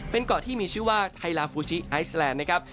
เป็นเกาะที่มีชื่อว่าไทยลาฟูชิไอซแลนด์นะครับ